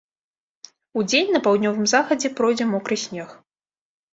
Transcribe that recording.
Удзень на паўднёвым захадзе пройдзе мокры снег.